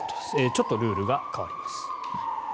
ちょっとルールが変わります。